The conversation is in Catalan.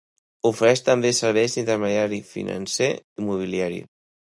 Ofereix també serveis d'intermediari financer i mobiliari.